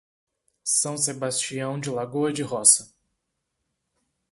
São Sebastião de Lagoa de Roça